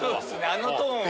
あのトーンはね。